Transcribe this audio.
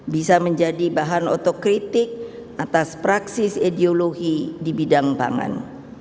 bisa menjadi bahan otokritik atas praksis ideologi di bidang pangan